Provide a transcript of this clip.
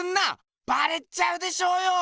バレちゃうでしょうよ！